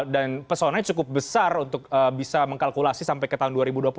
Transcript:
dan pesonanya cukup besar untuk bisa mengkalkulasi sampai ke tahun dua ribu dua puluh empat